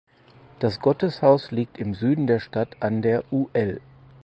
Das Gotteshaus liegt im Süden der Stadt an der ul.